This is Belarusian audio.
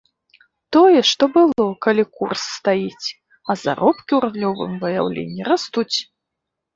Тое, што было, калі курс стаіць, а заробкі ў рублёвым выяўленні растуць.